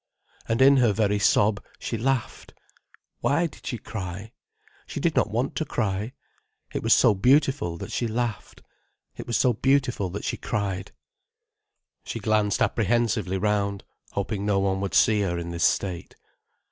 And in her very sob, she laughed. Why did she cry? She did not want to cry. It was so beautiful that she laughed. It was so beautiful that she cried. She glanced apprehensively round, hoping no one would see her in this state.